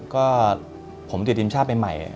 ก็ผมติดทีมชาติใหม่